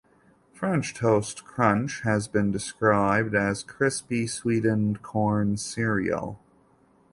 French Toast Crunch has been described as crispy, sweetened corn cereal.